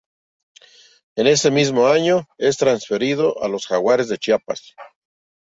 En ese mismo año es transferido a los Jaguares de Chiapas.